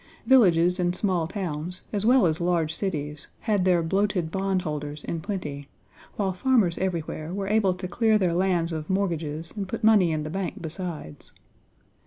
Villages and small towns, as well as large cities, had their "bloated bondholders" in plenty, while farmers everywhere Page xv were able to clear their lands of mortgages and put money in the bank besides.